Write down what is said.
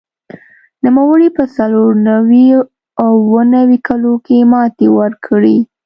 نوموړي په څلور نوي او اووه نوي کلونو کې ماتې ورکړې